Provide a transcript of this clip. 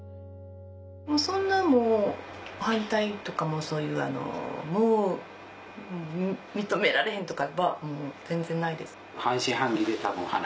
そんなもう反対とかもう認められへんとかは全然ないです。